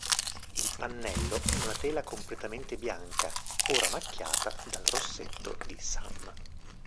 Il pannello è una tela completamente bianca, ora macchiata dal rossetto di Sam.